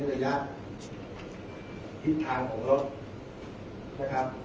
ความทิศทางของรถ